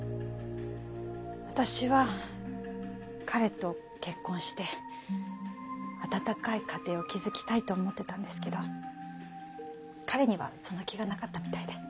私は彼と結婚して温かい家庭を築きたいと思っていたんですけど彼にはその気がなかったみたいで。